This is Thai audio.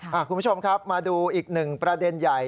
คุณผู้ชมครับมาดูอีกหนึ่งประเด็นใหญ่